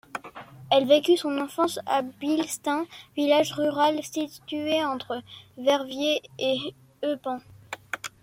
Elle vécut son enfance à Bilstain, village rural situé entre Verviers et Eupen.